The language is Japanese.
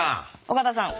尾形さん。